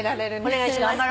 お願いします。